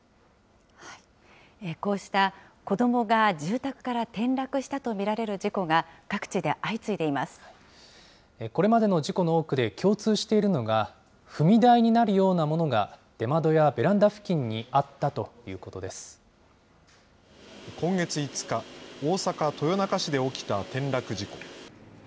こうした子どもが住宅から転落したと見られる事故が各地で相これまでの事故の多くで共通しているのが、踏み台になるようなものが出窓やベランダ付近にあ今月５日、大阪・豊中市で起きた転落事故。